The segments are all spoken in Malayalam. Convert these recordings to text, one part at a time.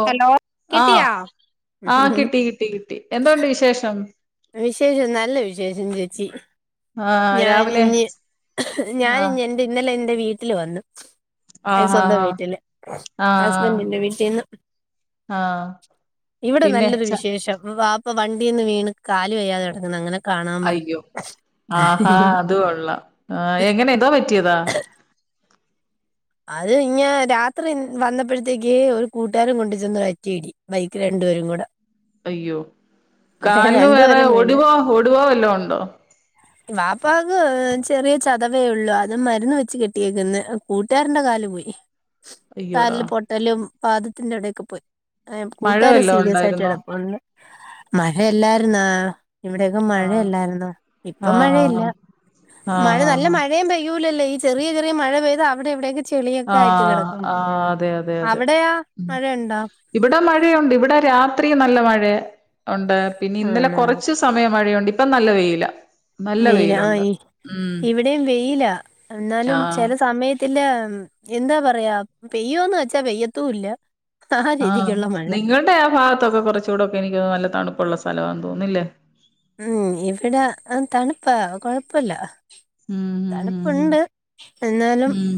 ഓഹ് ഹലോ കിട്ടിയാ ആഹ് ആ കിട്ടി കിട്ടി കിട്ടി എന്തോണ്ട് വിശേഷം? വിശേഷം നല്ല വിശേഷം ചേച്ചി. ആഹ് രാവിലെ ഞാനിഞ്ഞ് ആഹ് ഞാനിഞ്ഞ് എൻ്റെ ഇന്നലെ എൻ്റെ വീട്ടില് വന്ന്- ആഹ് ആഹ് സ്വന്തം ആഹ് വീട്ടില് ആഹ് ഹസ്ബൻഡിന്റെ വീട്ടിന്ന്. ആഹ് ഇവിടെ പിന്നെ നല്ലത് ച വിശേഷം വാപ് പ്പ വണ്ടിന്ന് വീണ് കാല് വയ്യാതെ കെടക്കന്നു അങ്ങനെ കാണാൻ വന്ന് അയ്യോ ആഹാ അത് കൊള്ളാം എങ്ങനെ എന്തോ പറ്റിയതാ? അത് പിന്നെ രാത്രി വന്നപ്പോഴിത്തേക്ക് ഒരു കൂട്ടുകാരൻ കൊണ്ട് ചെന്ന് ഒറ്റയിടി. ബൈക്ക് രണ്ടുപേരും കൂടെ അയ്യോ പക്ഷെ കാലിന് വേറെ രണ്ടുപേരും വീണ് ഒടിവോ ഒടിവോ വല്ലോം ഒണ്ടോ? വാപ്പാക്ക് ചെറിയ ചതവേ ഒള്ളൂ അത് മരുന്ന് വെച്ച് കെട്ടിയേക്ക്ന്ന് കു ട്ടാരന്റെ കാല് പോയി അയ്യോടാ കാല് പൊട്ടലും പാദത്തിന്റെ എടേക്ക് പോയി- മഴ കൂട്ടാരൻ വല്ലോ സീരിയസിയിട്ട് ഉണ്ടായിരുന്നോ കടപ്പുണ്ട് മഴ ല്ലാരുന്നോ? ഇവിടൊക്കെ ആഹ് മഴല്ലാരുന്നോ ഇപ്പൊ ആഹ് മഴയില്ല ആഹ് മഴ ആഹ് ആഹ് നല്ല ആഹ് മഴ മഴയും പെയ്യൂല്ലല്ലോ ഈ ചെറിയ ചെറിയ മഴ പെയ്ത് അവിടെ ഇവിടൊക്കെ ചെളിയൊക്കെ ആയിട്ട് ആഹ് കെടക്കും ആഹ് അതെ അതെ അതെ അവിടെയാ ഉം മഴയുണ്ടോ? ഇവിടെ മഴയൊണ്ട് ഇവിടെ രാത്രി നല്ല മഴ ഒണ്ട് പിന്നെ ഇന്നലെ ആണോ കൊറച്ച് സ് സമയം മഴയൊണ്ട് ഇപ്പം നല്ല വെയില നല്ല വെയില ആ വെയിലുണ്ട് ഉം. ഇവിടെയും വെയില എന്നാലും ആഹ് ചെല സമയ ത്തില്ല എന്താ പറയാ പെയ്യൂന്ന് വെച്ചാ പെയ്യത്തുല്ല. ആഹ് നിങ്ങൾടെ ആ ഭാഗത്തൊക്കെ കുറച്ചുകൂടൊക്കെ എനിക്ക് നല്ല തണുപ്പുള്ള സ്ഥലമാന്ന് തോന്നുന്നില്ലേ? ഉം ഇവിടെ തണുപ്പാ കൊഴപ്പല്ല. ഉം. തണുപ്പുണ്ട് എന്നാലും ഉം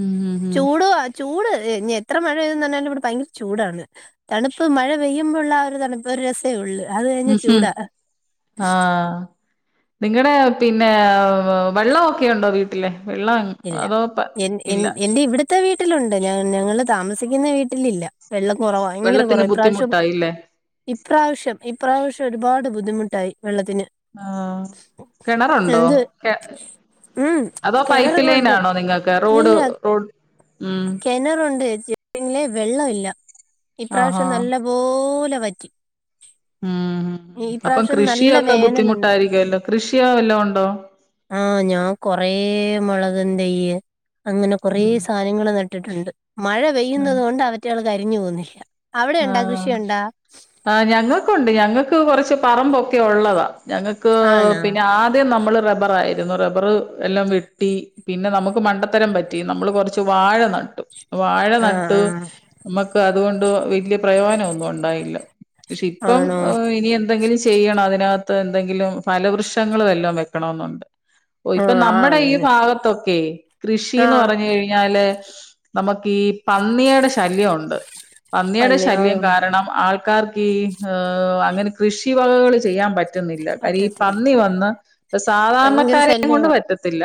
ഉം ഉം ഉം ഉം ചൂട് വാ ചൂട് ഇനി എത്ര മഴ പെയ്തു പറഞ്ഞാലും ഇവിടെ ഭയങ്കര ചൂടാണ്. തണുപ്പ് മഴ പെയ്യുമ്പോള്ളാ ആ ഒരു തണുപ്പ് ഒരു രസേ ഉള്ളു അത് കഴിഞ്ഞ ഉം ഉം ഉം ചൂടാ ആഹ്. നിങ്ങടെ പിന്നെ വെള്ളൊക്കെ ഒണ്ടോ വീട്ടിലെ വെള്ളം ഇല്ല അതോ പ എൻ ഇല്ല എന്റെ ഇവിടുത്തെ വീട്ടിലുണ്ട് ഞാൻ ഞങ്ങള് താമസിക്കുന്ന വീട്ടിലില്ല. വെള്ളം കൊറവ ഭയങ്കര വെള്ളത്തിന് കൊറവ ഇപ്രാവശ്യം ബുദ്ധിമുട്ടായില്ലേ ഇപ്രാവശ്യം ഇപ്രാവശ്യം ഒരുപാട് ബുദ്ധിമുട്ടായി വെള്ളത്തിന്. ആഹ് കിണറുണ്ടോ എന്ത് കെ ഉം അതോ കെണറ് പൈപ്പ് ലൈൻ ഇപ്പളുണ്ടോ ആണോ നിങ്ങൾക്ക് റോഡ് ഇല്ല റോഡ് ഉം കനറുണ്ട് ചേച്ചി പിന്നെ വെള്ളം ഇല്ല ആഹാ ഇപ്രാവിശ്യം നല്ലപോലെ വറ്റി. ഉം അപ്പം ഇപ്രാവശ്യം നല്ല കൃഷിയൊക്കെ വേനലുണ്ട് ബുദ്ധിമുട്ടായിരിക്കല്ലോ കൃഷി വല്ലോ ഉണ്ടോ ആഹ് ഞാൻ കൊറേ മുളക് തെയ്യ് അങ്ങനെ കൊറേ ഉം സാ ധനങ്ങള് നട്ടിട്ട്ണ്ട് മഴ പെയ്യുന്നത് കൊണ്ടാ അവറ്റൾ കരിഞ്ഞു പോകുന്നേല്ല ആഹ ആ ഞങ്ങൾക്കുണ്ട് ഞങ്ങൾക്ക് കൊറച്ച് പറമ്പൊ ഉള്ളതാ ഞങ്ങൾക്ക് ആണാ പിന്നെ ആദ്യം നമ്മൾ റബ്ബറായിരുന്നു റബ്ബർ ർ എല്ലാം വെട്ടി പിന്നെ നമുക്ക് മണ്ടത്തരം പറ്റി നമ്മള് കൊറച്ച് വാഴ നട്ടു വാഴ ആഹ് നട്ടു ആഹ് നമ്മക്ക് അതുകൊണ്ട് പ്രയോനം ഒന്നും ഉണ്ടായില്ല പക്ഷെ ഇപ്പം ആണോ ഇനി എന്തെങ്കിലും ചെയ്യണം അതിനകത്ത് എന്തെങ്കിലും ഫലവൃക്ഷങ്ങളും എല്ലാം വെക്കണെന്നുണ്ട് ഓ ഇപ്പൊ ആഹ് ആഹ് നമ്മുടെ ഈ അങ്ങനെ ഭാഗത്തൊക്കെ കൃഷിന്ന് ആഹ് പറഞ്ഞുകഴി ഞ്ഞാൽ നമുക്ക് ഈ പന്നിയുടെ ശല്യംഉണ്ട് പന്നിയുടെ പന്നി ശല്യം ആഹ് കാരണം ണം ആൾക്കാർക്ക് ഇ അങ്ങനെ കൃഷി വകകൾ ചെയ്യാൻ പറ്റ പറ്റുന്നില്ല കാരി ഈ പറ്റത്തില്ല പന്നി വന്ന് ഇപ്പ ഭയങ്കര സാധാരണക്കാരെ കൊണ്ട് ശല്യവാ പറ്റത്തില്ല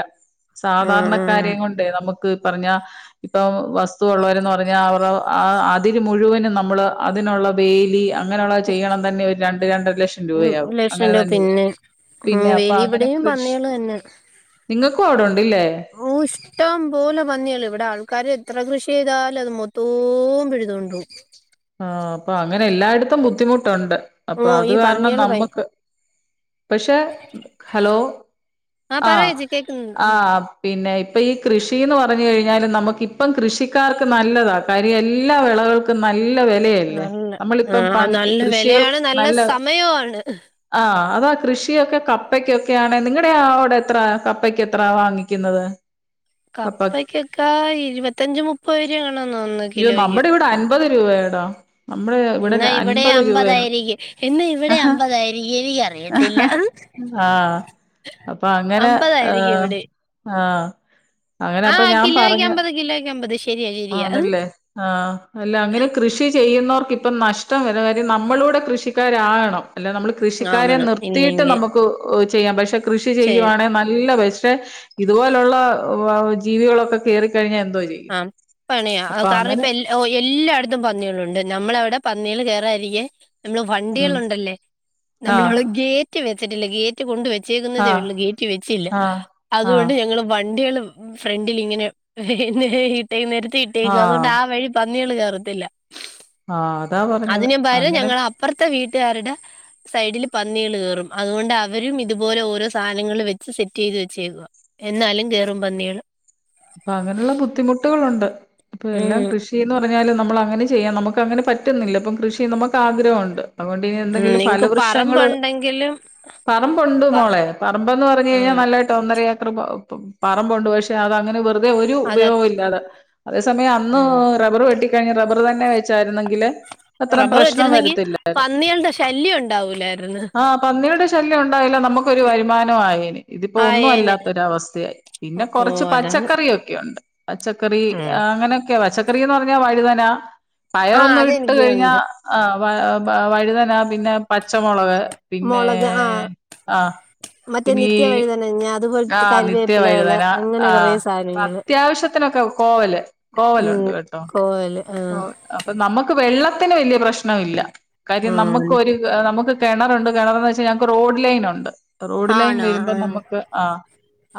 ആഹ് ആഹ് സാധാരണക്കാരെ കൊണ്ട് നമുക്ക് പറഞ്ഞ ഇപ്പൊ വസ്തുള്ളവരന്ന് പറഞ്ഞാൽ അവ അതില് മുഴുവനും ന്ന നമ്മള് അതിനുള്ള വേലി അങ്ങനെയുള്ള ചെയ്യണം തന്നെ ഒരു രണ്ട് രണ്ടര ലക്ഷം ഉം രൂപയാവും ലക്ഷം അങ്ങനെ രൂപ തന്നെ പിന്നെ ഉം പിന്നെ അപ്പൊ വെലി അങ്ങനെ ഇവിടെയും കൃഷി പന്നികള് തന്നെ നിങ്ങക്കു അവിടെണ്ടല്ലേ ഓ ഇഷ്ടം പോലെ പന്നിയളു ഇവിടെ ആൾക്കാര് എത്ര കൃഷി ചെയ്താലും അത് മൊത്തം പിഴുതണ്ടും പോവും ആഹ അപ്പൊ അങ്ങനെ എല്ലായിടത്തും ബുദ്ധിമുട്ടുണ്ട് ഓ അപ്പൊ അത് ഈ കാരണം പന്നികള് ഭയ നമ്മുക്ക് പക്ഷേ ഹലോ ആഹ് ആഹ പറയേച്ചി കേക്കുന്നുണ്ട് ഉം ആ് പിന്നെ ഇപ്പ ഈ കൃഷിന്ന് പറഞ്ഞ കഴിഞ്ഞാൽ നമുക്കിപ്പം കൃഷിക്കാർക്ക് നല്ലതാ കര്യം എല്ലാ വിളകൾക്കും നല്ലവി ലയല്ലേ നല്ല നമ്മളിപ്പം പ ആഹ് നല്ല കൃഷികൾ വെലയാണ് നല്ല സമയവുമാണ് ആഹ അതാ കൃഷിയൊക്കെ കപ്പക്കൊക്കെയാണ് നിങ്ങളുടെ അവിടെ എത്ര കപ്പക്ക് എത്ര വാങ്ങിക്കുന്നത് കപ്പ കപ്പയ്ക്കൊക്കാ ഇരുപത്തയഞ്ച് മുപ്പത്തരു ആണന്നുതോന്നുന്നു കിലോയ്ക്ക് അൻപത് രൂപയടോ അമ്മേ ഇന്ന് ഇവിടെ അമ്പതായിരിക്കും ഇന്ന് ഇവിടെ അമ്പതായിരിക്കും എനിക്ക് അറിയത്തില്ല ഹ് ആഹ അപ്പൊ അങ്ങനെ അമ്പതായിരിക്കും ഇവിടെ ഹ ആഹ അങ്ങനെ അപ്പൊ ആഹ് ഞാൻ കിലോയ്ക്ക് പറഞ്ഞു അമ്പത് കിലോയ്ക്ക് അമ്പത് ശരിയാ ശരിയാ ആണല്ലേ ആഹ അല്ല അങ്ങനെ കൃഷി ചെയ്യുന്നവർക്ക് ഇപ്പം നഷ്ടം വര കാര്യം നമ്മളൂടെ കൃഷിക്കാരകണം അല്ല നമ്മൾ കൃഷിക്കാരെ ആവണം നിർത്തിയിട്ട് ഇല്ലെങ്കി നമുക്ക് ചെയ്യാം പക്ഷെ കൃഷി ചെയ്യാം ചെയ്യുവാണെങ്കിൽ നല്ല വ പക്ഷെ ഇതുപോലെയുള്ള ജീവികളൊക്കെ കേറിക്കഴിഞ്ഞാൽ എന്തോ ചെയും ആ പണിയ കാരണം ഇപ്പ എല്ലാ ഓ എല്ലായിടത്തും പന്നികളുണ്ട് നമ്മളവിടെ പന്നികൾ കേയറാതിരിക്കാൻ നമ്മള് ഉം വണ്ടികളുണ്ടല്ലേ ആഹ് നമ്മളവി ഗേറ്റ് വെച്ചിട്ടില്ല ഗേറ്റ് റ്റ് കൊണ്ട് ആഹ് വെച്ചേക്കുന്നതേള്ളൂ ഗേറ്റ് വെച്ചില്ല ആഹ് ആഹ് അതുകൊണ്ട് ഞങ്ങൾ വണ്ടിയാൾ ഫ്രണ്ടിലിങ്ങനെ പിന്നെ ഇട്ടേ നിരത്ത് ഇട്ടേക്ക അതുകൊണ്ട് ആഹ് ആ വഴി പന്നികൾ കേയറത്തില്ല ആഹ അതാ പറഞ്ഞത് അങ്ങനെ അപ്പുറത്തെ വീട്ടുകാരുടെ സൈഡിൽ പന്നികൾ കേയറും അതുകൊണ്ട് അവരും ഇതുപോലെ ഓരോ സാധനങ്ങൾ വെച്ച് സെറ്റ് ചെയ്ത് വെച്ചേക്ക എന്നാലും കേറും പന്നികള് അങ്ങനെയുള്ള ബുദ്ധിമുട്ടോള് ഇണ്ട് അപ്പൊ എല്ലാം ഉം കൃഷിന്ന് പറഞ്ഞാലും നമ്മൾ അങ്ങനെ ചെയ്യാം നമുക്ക് അങ്ങനെ പറ്റുന്നില്ല ഇപ്പം കൃഷി നമുക്ക് ആഗ്രഹൊണ്ട് അതുകൊണ്ട് ഉം എന്തെങ്കിലും നിങ്ങക്ക് ഫലവൃക്ഷങ്ങള് പറമ്പുണ്ടെങ്കിലും പറമ്പൊണ്ട് പ മോളെ പറമ്പെന്ന് പറഞ്ഞ് കഴിഞ്ഞാൽ ആഹ് നല്ലെ- ട്ട് ഒന്നരഏക്കറ് പ പറമ്പഒണ്ട് പക്ഷെ അത് അങ്ങനെ വെറ്- വെറുതെ ഒരു അത ഉപയോഗം ഇല്ലാതെ അതേ സമയം അന്ന് ഉം റബ്ബർ വെട്ടിക്കഴിഞ്ഞ് റബ്ബർ തന്നെ വെച്ചായിരുന്നെങ്കില് അത്ര റബ്ബർ പ്രശ്നം വെച്ചിരുന്നെങ്കി വരത്തില്ല പന്നികളുടെ ശല്യം ഒണ്ടാവൂലായിരുന്നു ആഹ് പന്നിയുടെ ശല്യം ഒണ്ടാകില്ല നമുക്ക്- ഒരു വരുമാന ആയേനെ ഇതിപ്പോ ഒന്നും ആയേന് അല്ലാത്തൊരവസ്ഥയായി പിന്നെ ഓ കൊറച്ച് പച്ചക്ക അതാണ് ക്കറിയൊക്കെ ഒണ്ട് പച്ചക്കറി ഉം അങ്ങനെയൊക്കെ പച്ചക്കറിന്ന് പറഞ്ഞാ വഴുതന- ആഹ് പയറൊന്നും ഇട്ട് അതെനിക്കും കഴിഞ്ഞാ ഉണ്ട് ആ വ വഴുതന പിന്നെ പച്ചമൊളക് പിന്നേ മുളക് ആഹ് ആഹ് പിന്നീ- ആ അതുപോലെ ആഹ് നിത്യവഴുതനാ ആഹ് സാധനങ്ങള് അത്യാവശ്യത്തിനൊക്കെ കോവല് ഉം കോവലൊണ്ട് കേട്ടോ കോവല് ആഹ് അപ്പൊ നമുക്ക് വെള്ളത്തിന് വലിയ പ്രശ്നയില്ല കാര്യം ആഹ് നമുക്കൊരു ആഹ് നമുക്ക് കെണറൊണ്ട് കിണർന്ന് വെച്ചാ ഞങ്ങക്ക് റോഡ് ലൈൻ ഒണ്ട് റോഡ് ലൈൻ ആണോ വരുമ്പോ ആഹ് നമുക്ക് ആഹ്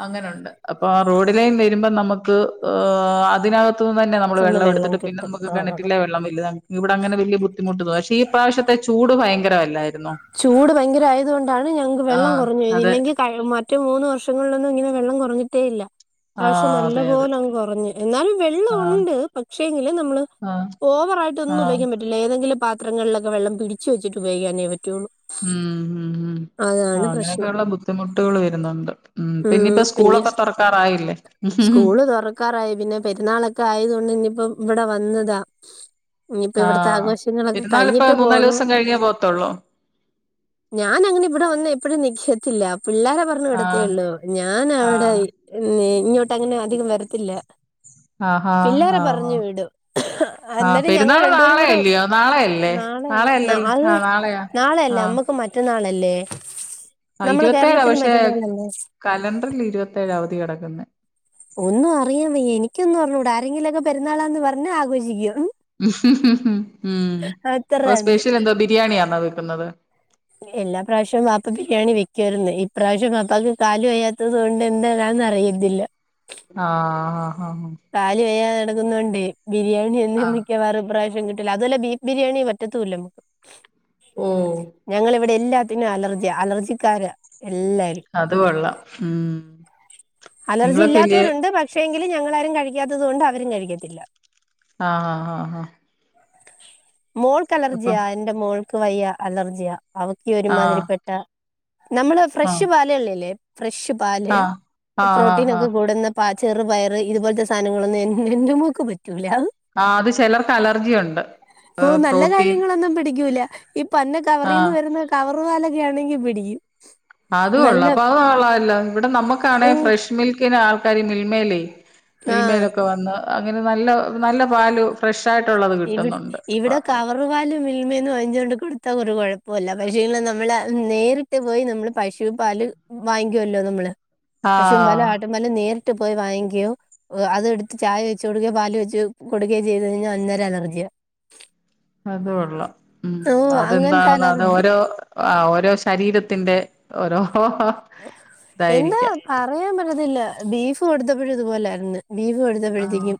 അങ്ങനൊണ്ട് അപ്പൊ ആ റോഡ ലൈൻ വരുമ്പോ നമുക്ക് ആഹ് അതിനകത്ത്- അത് ന്ന്തന്നെ നമ്മള് ചെന്ന് വെള്ളം എടുത്തിട്ട് പിന്നെ കിട്ടും നമുക്ക് ആഹ് ആഹ് കെണറ്റിലെ വെള്ളം - വല്താ ഇവിടെ അങ്ങന വലിയ ബുദ്ധിമുട്ടില്ല പക്ഷേ ഈ പ്രാവശ്യത്തെ- ചൂട് ഭയങ്കരമല്ലായിരുന്നോ ചൂട് ഭയങ്കര ആയത് കൊണ്ടാണ് ഞങ്ങക്ക് വെള്ളം ആഹ് കൊറഞ്ഞ്പോയത് അതെ ഇല്ലെങ്കിൽ- മറ്റു മൂന്ന് വർഷങ്ങളിലൊന്നും ഇങ്ങനെ വെള്ളം കുറഞ്ഞിട്ടേ ഇല്ല ഇപ്രാവശ്യം ആഹ് നല്ല അതെ അതെ പോലങ്ങ് കൊറഞ്ഞ് എന്നാലും വെള്ളം ആഹ് ഒണ്ട് പക്ഷേെങ്കിലും നമ്മള്- ആഹ് ഓവറായിട്ടൊന്നും ആഹ് ഉപയോഗിക്കൻ പറ്റില്ല ഏതെങ്കിലും പത്രങ്ങള്ലൊക്കെ വെള്ളം പിടിച്ച് വച്ചിട്ട് ഉപയോഗിക്കാനെ പറ്റുള്ളൂ- ഉം ഉം അതാണ് ആഹ് പ്രശ്നം അങ്ങനെയൊക്കെയുള്ള ബുദ്ധിമുട്ടുകൾ വരുന്നൊണ്ട് ഉം പിന്നിപ്പോ സ്കൂളൊക്കെ തൊറക്കാറായില്ലേ- ഉ ആക്കാറായി പിന്നെ പെരുന്നാളൊക്കെ ആയതൊണ്ട് ഇനിയിപ്പം ഇവിടെ വന്നതാ ഇനിയിപ്പോ ഇവിടത്തെ ആഹ് ആഘോഷങ്ങളൊക്കെ പെരുന്നാളിപ്പോ കഴിഞ്ഞിട്ട് മൂന്നാല് പോണം ദിവസം കഴിഞ്ഞേ പോത്തൊള്ളൊ ഞാനങ്ങനെ ഇവിടെ വന്ന് എപ്പഴും നിക്കത്തില്ല പിള്ളേരെ പറ ഞ്ഞ് ആഹ് വിടത്തേള്ളൂ ഞാനവിടെ ആഹ് ഇങ്ങോട്ടങ്ങനെ അധികം വരത്തില്ല ആഹാ പിള്ളേരെ ആഹ് പറഞ്ഞു വിടും ആ എന്നാലും ഞങ്ങൾ പെരുന്നാള് രണ്ടുപേരും കൂടെ നാളെയല്ലയോ നാളെയല്ലേ നാളെ അല്ല ന നാളെയല്ലല്ലോ അ ആ നാളെയാ നാളെ അല്ല ആഹ് അമ്മക്ക് മറ്റന്നാളല്ലേ ആ നമ്മളെ ഇരുപത്തേഴാ കേരളത്തിന് പക്ഷെ മറ്റന്നാളല്ലേ കലണ്ടറിൽ ഇരുപത്തേഴാ അവധി കെടക്കുന്നെ ഒന്നും അറിയാം വയ്യ എനിക്കൊന്നും അറിഞ്ഞൂട ആരെങ്കിലുംക്കെ പെുന്നാളാന്ന് പറഞ്ഞാ ആഘോഷിക്കും ഉം ഉം അത്ര അപ്പം തന്നെ സ്പെഷ്യൽ എന്ത്വാ ബിരിയാണിയാണോ വെക്കുന്നത് എല്ലാ പ്രാവശ്യവും ബാപ്പ ബിരിയാണി വെക്കുവായിരുന്നു ഇപ്രാവശ്യം ബാപ്പക്ക് കാല് വയ്യാത്തതുകൊണ്ട്- എന്തരാന്ന് അറിയ്ന്നില്ല ആഹ് ആഹ് ആഹ് കാല് വയ്യാതെകെടക്കുന്നൊണ്ടെ ബിരിയാണിയൊന്നും ആഹ് മിക്കവാറും ഇ പ്രാവശ്യം കിട്ട് അതുപോലെ ബീഫ് ബിരിയാണി പറ്റത്തുല്ല നമക്ക് ഓ ഞങ്ങള ഇവിടെല്ലാ- ത്തിന് അലർജി അലർജിക്കാര എല്ലാവരും അത് കൊള്ളാം ഉം അലർജി നിങ്ങളൊക്കെ വല്യ ഇല്ലാത്തവരുണ്ട് പക്ഷെ എങ്കിലും ഞങ്ങളാരും കഴിക്കാത്തത് കൊണ്ട് അവരും കഴിക്കത്തില്ല ആഹ് ആഹ് ആഹ് ആഹ് മോൾക്ക് അപ്പം അലർജിയാ എന്റെ മോൾക്ക് വയ്യ അലർജിയാ അവക്ക ഇയ്യ് ആഹ് ഒരുമാതിരിപ്പെട്ട നമ്മള് ഫ്രഷ് ആഹ് പാല് ഉള്ളല്ലേ ഫ്രഷ് പാല് ആഹ് ആഹ് ആഹ് ആഹ് പ്രോട്ടീനൊക്കെ ആഹ് കൂടുന്ന പാ ച്ചെറ് പയറ് ഇതുപോലത്തെ സാധനങ്ങളൊന്നും എ എൻ്റെമോക്ക് പറ്റൂല ആ ഹ് അത് ചെലർക്ക് അലർജിയുണ്ട് ഓ നല്ല കാര്യങ്ങളൊന്നും പിടിക്കൂല ഇപ്പൊ പന്നെ കവറിന്ന് ആഹ് വരുന്ന കവർ പാലൊക്കെ ആണെങ്കിൽ പിടിക്കും അതു കൊള്ള നല്ല അപ്പൊ അത് കൊള്ളാലൊ ഇവിടെ നമ്മക്കാണെ ഓ ഫ്രഷ് മിൽക്കിന് ആൾക്കാാര് മിൽമേലേ ആഹ് മിൽമലൊക്കെ വന്ന് അങ്ങനെ നല്ല നല്ല പാല് ഫ്രഷ ആയിട്ടുള്ളത് കിട്ടുന്നുണ്ട് കുറുകാല മിൽമയന്ന് വാങ്ങിച്ചുകൊണ്ട് കൊടുത്ത ഒരു കുഴപ്പൊല്ല പക്ഷേ നമ്മള നേരി ട്ട് പോയി നമ്മൾ പശൂമ്പാല് വാങ്ങിക്കുവല്ലോ നമ്മള് പശും പല് ആഹ് അട്ട് ല്ല നേരിട്ട് പോയി വാങ്ങിക്കയോ അത പാൽ നേരിട്ട് പോയി വാങ്ങിക്കുംഅത് എടുത്ത് ചായ വെച്ച് കൊടുക്കെ പാല് വെച്ച് കൊടുക്കെ ചെയ്തു കഴിഞ്ഞാ പിന്നെ ഒര് അലർജിയ അതുകൊള്ളാം ഉം അങ്ങനത്തെ അതെന്താണെന്ന് അത് അലർജി ഓരോ ഓരോ ശരീരത്തിന്റെ ഓരോ എന്താ ഇതായിരിക്കാം പറയാൻ പറ്റുന്നില്ല ബീഫ് കൊടുത്തപ്പോഴും ഇതുപോലായിരുന്നു ബീഫ് കൊടു ആഹ് ത്തപ്പോയെക്കും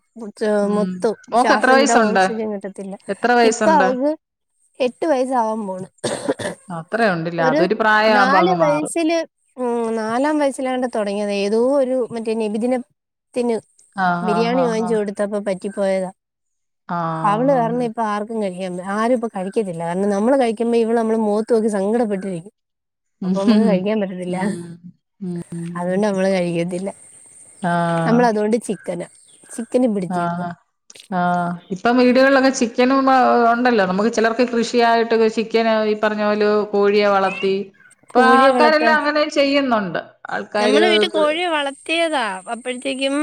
ഉം മൊത്തം മോക്ക് എത്ര ശ്വാസം കിട്ടാ വയസുണ്ട് ഓക്സിജൻ കിട്ടത്തില്ല എത്ര ഇപ്പൊ വയസുണ്ട് അവക്ക് എട്ട് വയസ്സാവാൻ പോണ് അത്രേ ഉണ്ടില്ല ഒരു അതൊരു പ്രായമാകുമ്പോ നാല് അങ്ങ് മാറും വയസ്സില് ഉം, നാലാം വയസ്സിലാ തൊടങ്ങിയതാ ഏതോ ഒരു മറ്റേ നബിദിന ത്തിന് ആഹ് ആഹ് ബിരിയാണി ആഹ് വാങ്ങിച്ചു ആഹ് കൊടുത്തപ്പോ പറ്റിപ്പോയതാ അവള് ആഹ് കാരണം ഇപ്പൊ ആർക്കും കഴിക്കാ ആരും ഇപ്പോ കഴിക്കത്തില്ലാ നമ്മള് കഴിക്കുമ്പോ ഇവടെ നമ്മൾ മുഖത്ത് നോക്കി സങ്കടപ്പെട്ടിരിക്കും അപ്പൊ നമ്മുക്ക് ഉം കഴിക്കാൻ പറ്റ ത്തി ല്ല ഉം ഉം അതുകൊണ്ട് നമ്മൾ കഴിക്കത്തില്ല ആഹ് നമ്മളതു ണ്ട് ചിക്കന ആഹ് ആഹ് ആഹ് ഇപ്പം വീടുകളിലൊക്കെ ചിക്കനും ഉണ്ടല്ലോ നമുക്ക് ചെലർക്ക് കൃഷിയായിട്ടൊ ചിക്കനൊ ഈ പറഞ്ഞ പോലെ കോഴിയെ വളർത്തി ഇപ്പൊ കോഴിയെ ആൾക്കാരെല്ലാം അങ്ങനെയും ചെയ്യുന്നുണ്ട് ആൾക്കാര് നമ്മള് വീട്ടിൽ കൃ- കോഴി വളർത്തിയതാ അപ്പഴത്തേക്കും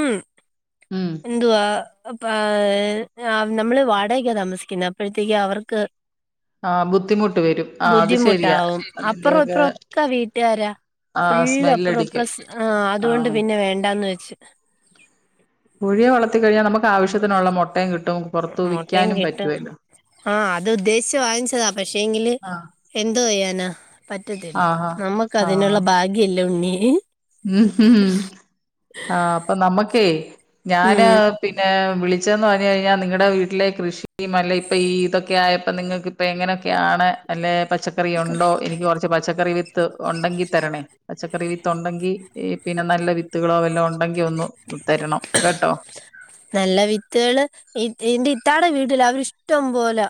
ഉം എന്തുവാ നമ്മള് വാടകക്കാ താമസിക്കുന്നത് അപ്പോഴത്തേക്കും അവർക്ക് ആഹ് ബുദ്ധിമുട്ട് വരും ആഹ് അത് ശരിയാ ബുദ്ധിമുട്ടാവും അപ്പറം അതിന്റെയൊക്കെ ഇപ്പറം ഒക്കാ വീട്ടുകാരാ ആഹ് സ്മെൽ പ്രസ് ആഹ് അതോണ്ട് പിന്നെ വേണ്ടാന്ന് വെച്ച് കോഴിയെ വളർത്തിക്കഴിഞ്ഞാൽ നമുക്ക് ആവശ്യത്തിനുള്ള മൊട്ടയും കിട്ടും പുറത്ത് മൊട്ടയും വിൽക്കാനും കിട്ടും പറ്റുവല്ലോ ആഹ് അത് ഉദ്ദേശിച്ച് വാങ്ങിച്ചതാ പക്ഷേങ്കില് ആഹ് എന്ത് ചെയ്യാനാ പറ്റത്തില്ല ആഹ് നമക്ക് ആഹ് അതിനുള്ള ഭാഗ്യല്ലേ ഉണ്ണി ഉം ആ അപ്പൊ നമ്മക്കേ ഞാന് ഉം പിന്നെ വിളിച്ചെന്ന് പറഞ്ഞഞ് കഴിഞ്ഞാൽ നിങ്ങളുടെ വീട്ടിലെ കൃഷിയും അല്ല ഇപ്പൊ ഈ ഇതൊക്കെ ആയപ്പോ നിങ്ങൾക്ക് ഇപ്പ എങ്ങനെയൊക്കെയാണ് അല്ല പച്ച പച്ചക്കറി ഉണ്ടോ എനിക്ക് കൊറച്ച് പച്ചക്കറി വിത്ത് ഉണ്ടെങ്കി തരണേ പച്ചക്കറി വിത്ത് ഉണ്ടെങ്കി ഈ പിന്നെ നല്ല വിത്തുകളോ വല്ലോ ഉണ്ടെങ്കി ഒന്ന് തരണം കേട്ടോ നല്ല വിത്തുകള് ഇന്റെ ഇത്താടെ വീടില്ല അവരി ഇഷ്ടം പോല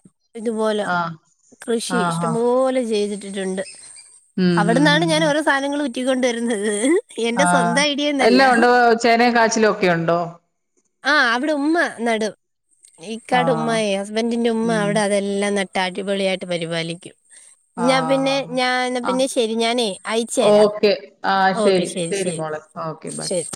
ഇതുപോലെ ആഹ് കൃഷി ആഹ് ആഹ് ഇഷ്ടംപോലെ ചെയ്തിട്ടിട്ടുണ്ട് ഉം ഉം അവിടന്നാണ് ഉം ഞാൻ ഉം ഓരോ സാനങ്ങൾ ഉറ്റിക്കൊണ്ട് വരുന്നത് എന്റെ ആഹ് സ്വന്തം ഐഡിയയൊന്നല്ല എല്ലാ ഒണ്ടോ ചേനേം കാച്ചിലും ഒക്കെ ഉണ്ടോ ആഹ് അവിടെ ഉമ്മ നാടും ഈക്കാട് ഉമ്മ ആഹ് ഹസ്ബൻറ്റിന്റെ ഉമ്മ ഉം അവിടെ അതെ എല്ലാം നട്ട് അടിപൊളിയായിട്ട് പരിപാലിക്കും ഞാൻ ആഹ് പിന്നെ ഞാന് ആഹ് പിന്നെ ശരി ഞാനേ അയച്ചു തരാം ഓക്കെ ആഹ് ഓക്കെ ശരി ശരി മോളെ ഓക്കെ ബൈ ശരി